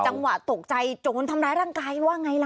จังหวะตกใจโจรทำร้ายร่างกายว่าอย่างไรเล่า